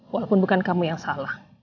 walaupun bukan kamu yang salah